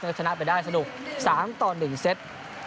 ก็ชนะไปได้สนุก๓ต่อ๑เซต